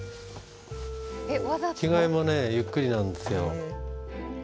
着替えもゆっくりなんですよ。